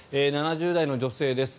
７０代の女性です。